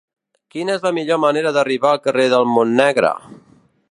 Quina és la millor manera d'arribar al carrer del Montnegre?